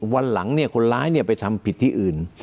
วันหลังคนร้ายไปทำผิดที่อื่น